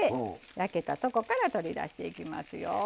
焼けたとこから取り出していきますよ。